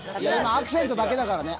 アクセントだけだからね